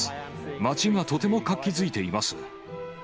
街がとても活気づいています。